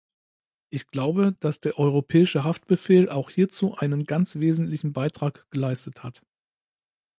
Ich glaube, dass der Europäische Haftbefehl auch hierzu einen ganz wesentlichen Beitrag geleistet hat.